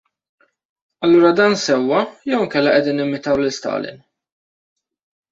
Allura dan sewwa jew inkella qegħdin nimitaw lil Stalin?